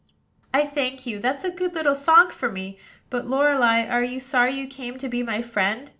"I thank you: that's a good little song for me. But, Lorelei, are you sorry you came to be my friend?"